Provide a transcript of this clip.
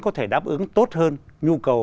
có thể đáp ứng tốt hơn nhu cầu